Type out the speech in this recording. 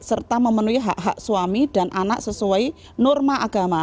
serta memenuhi hak hak suami dan anak sesuai norma agama